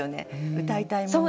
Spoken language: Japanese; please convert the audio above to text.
うたいたいもの。